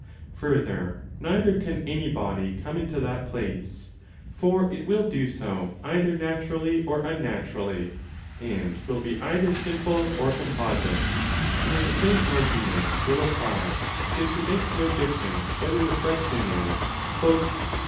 Further neither can any body come into that place: for it will do so either naturally or unnaturally, and will be either simple 5 or composite; so that the same argument will apply, since it makes no difference whether the question is 'does A 1 Place a full stop after φαμεν.